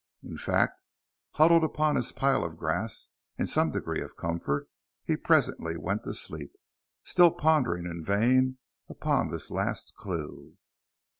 In fact, huddled up on his pile of grass in some degree of comfort, he presently went to sleep, still pondering in vain upon this last clue.